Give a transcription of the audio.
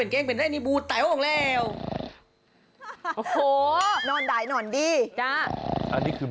เขานอนเฉย